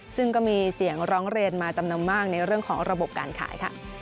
ซึ่งก็มีเสียงร้องเรียนมาจำนวนมากในเรื่องของระบบการขายค่ะ